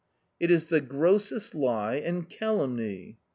" It is the grossest lie and calumny."